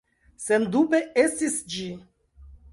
Sendube estis ĝi.